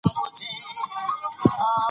په ازموینو کې د لایقت پر بنسټ بریالي شئ.